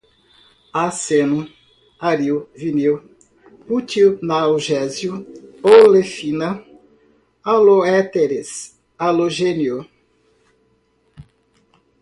hidroperóxidos, borano, alceno, aril, vinil, butilmagnésio, olefina, haloéteres, halogênio